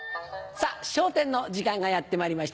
さぁ『笑点』の時間がやってまいりました。